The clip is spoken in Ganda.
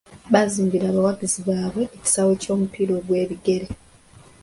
Baazimbira abawagizi baabwe ekisaawe ky'omupiira gw'ebigere.